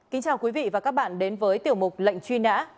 chào mừng quý vị đến với tiểu mục lệnh truy nã